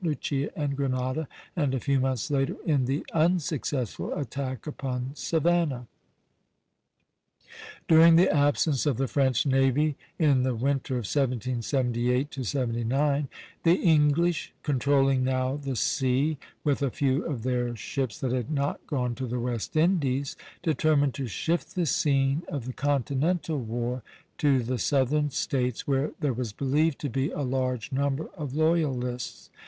Lucia and Grenada, and a few months later in the unsuccessful attack upon Savannah. During the absence of the French navy in the winter of 1778 79, the English, controlling now the sea with a few of their ships that had not gone to the West Indies, determined to shift the scene of the continental war to the Southern States, where there was believed to be a large number of loyalists.